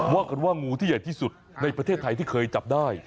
ว่ากันว่างูที่ใหญ่ที่สุดในประเทศไทยที่เคยจับได้